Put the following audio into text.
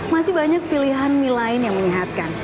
masih banyak pilihan mie lain yang menyehatkan